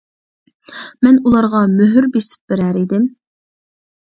مەن ئۇلارغا مۆھۈر بېسىپ بېرەر ئىدىم.